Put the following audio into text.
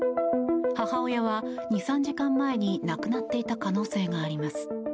母親は２３時間前に亡くなっていた可能性があります。